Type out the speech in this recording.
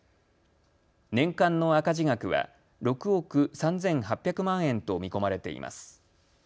年間の赤字額は６億３８００万円と見込まれています。